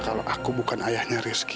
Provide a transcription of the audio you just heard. kalau aku bukan ayahnya